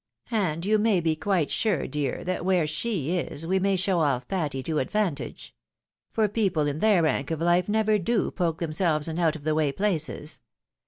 And you may be quite sure, dear, that where she is, we may show off Patty to advantage. For people in their rank of life never do poke themselves in out of the way places.